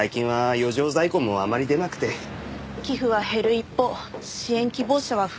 寄付は減る一方支援希望者は増える一方です。